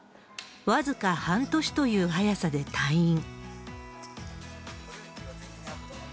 僅か半年という早さで退院。